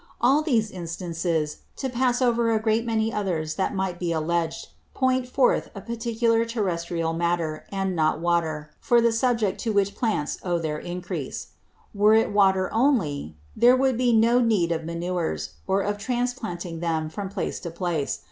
All these Instances, to pass over a great many others that might be alledg'd, point forth a particular Terrestrial Matter, and not Water, for the Subject to which Plants owe their Increase. Were it Water only, there would be no need of Manures; or of transplanting them from place to place.